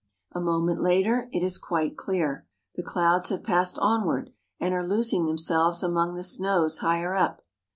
A moment later it is quite clear. The clouds have passed onward, and are losing themselves among the snows higher up.